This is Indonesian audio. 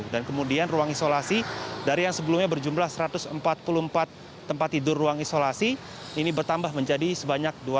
dan kemudian ruang isolasi dari yang sebelumnya berjumlah satu ratus empat puluh empat tempat tidur ruang isolasi ini bertambah menjadi sebanyak dua ratus tiga puluh delapan